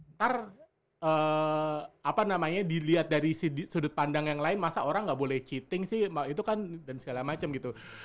ntar apa namanya dilihat dari sudut pandang yang lain masa orang nggak boleh cheating sih itu kan dan segala macam gitu